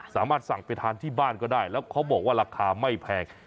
สามารถสั่งไปทานที่บ้านก็ได้แล้วเขาบอกว่าราคาไม่แพง